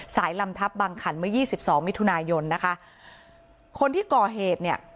สายลำทับบังขันเมื่อ๒๒มิถุนายนคนที่ก่อเหตุ